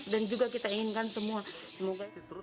dan juga kita inginkan semua